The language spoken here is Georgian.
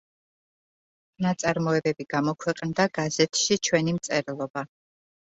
ნაწარმოებები გამოქვეყნდა გაზეთში ჩვენი მწერლობა.